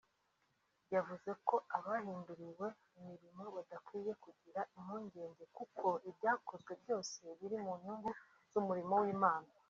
yavuze ko abahinduriwe imirimo badakwiye kugira impungenge kuko ibyakozwe byose biri mu nyungu z’umurimo w’Imana